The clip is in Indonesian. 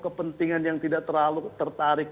kepentingan yang tidak terlalu tertarik